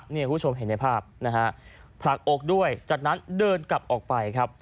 คุณผู้ชมเห็นในภาพนะฮะผลักอกด้วยจากนั้นเดินกลับออกไปครับ